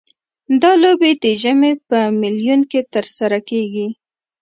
دا لوبې د ژمي په میلوں کې ترسره کیږي